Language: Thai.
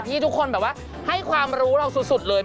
ที่ทุกคนแบบว่าให้ความรู้เราสุดเลย